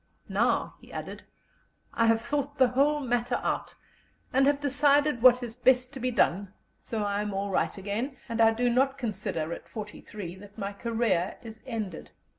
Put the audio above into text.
"Now," he added, "I have thought the whole matter out, I have decided what is best to be done, so I am all right again, and I do not consider at forty three that my career is ended."